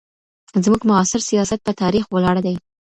زموږ معاصر سیاست په تاریخ ولاړ دی.